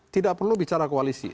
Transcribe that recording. tidak perlu bicara koalisi